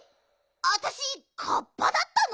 あたしカッパだったの！？